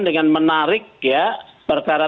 dengan menarik perkara